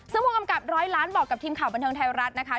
ซึ่งผู้กำกับร้อยล้านบอกกับทีมข่าวบันเทิงไทยรัฐนะคะ